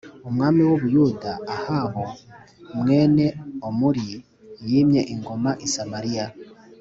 umwami w u Buyuda Ahabu mwene Omuri yimye ingoma i Samariya